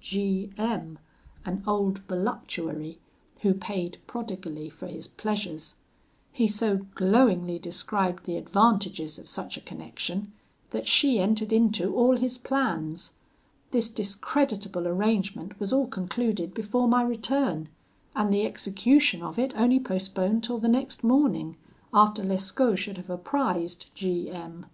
G M , an old voluptuary, who paid prodigally for his pleasures; he so glowingly described the advantages of such a connection, that she entered into all his plans. This discreditable arrangement was all concluded before my return, and the execution of it only postponed till the next morning, after Lescaut should have apprised G M